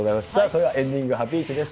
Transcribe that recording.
それでは、エンディング、ハピイチです。